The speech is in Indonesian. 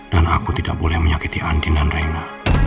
dan aku tidak boleh menyakiti andin dan rena